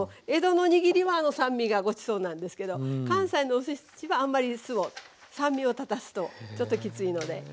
江戸の握りは酸味がごちそうなんですけど関西のおすしはあんまり酢を酸味をたたすとちょっときついので。